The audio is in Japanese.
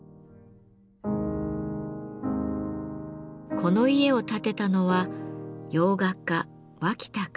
この家を建てたのは洋画家脇田和。